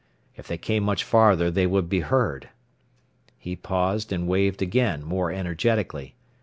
If they came much farther they would be heard! He paused, and waved again, more energetically.